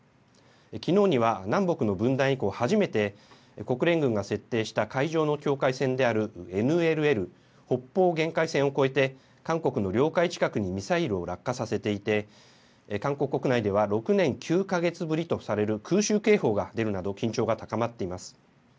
きのうには南北の分断以降初めて国連軍が設定した海上の境界線であるＮＬＬ・北方限界線を越えて、韓国の領海近くにミサイルを落下させていて、韓国国内では６年９か月ぶりとされる空襲警報が出るなど、緊張が高まっています。